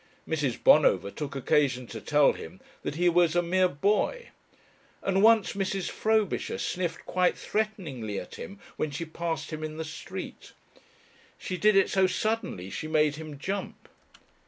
Mrs. Bonover took occasion to tell him that he was a "mere boy," and once Mrs. Frobisher sniffed quite threateningly at him when she passed him in the street. She did it so suddenly she made him jump.